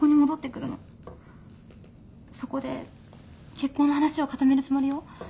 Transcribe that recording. そこで結婚の話を固めるつもりよ。